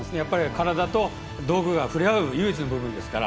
体と、道具が触れ合う唯一の部分ですから。